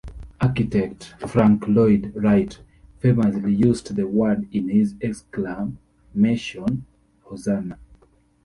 Architect Frank Lloyd Wright famously used the word in his exclamation Hosanna!